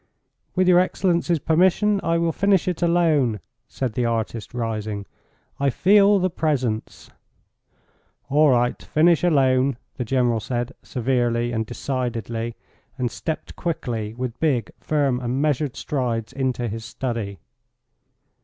"With your excellency's permission I will finish it alone," said the artist, rising. "I feel the presence." "All right, finish alone," the General said, severely and decidedly, and stepped quickly, with big, firm and measured strides, into his study.